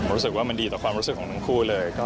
รู้สึกว่ามันดีต่อความรู้สึกของทั้งคู่เลย